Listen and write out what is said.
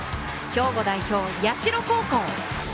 兵庫代表・社高校！